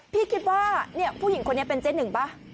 พี่คิดว่าผู้หญิงคนนี้เป็นเจ๊หนึ่งป่ะ